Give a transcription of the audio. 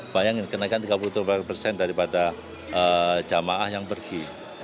bayangin kenaikan tiga puluh tujuh persen daripada jamaah yang pergi